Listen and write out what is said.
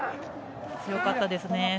強かったですね。